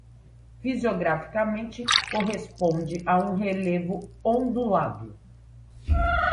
Fisiograficamente, corresponde a um relevo ondulado.